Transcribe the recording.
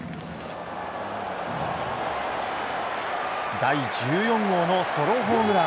第１４号のソロホームラン。